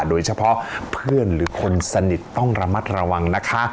โดยเฉพาะเพื่อนหรือคนสนิทต้องระมัดระวังนะคะ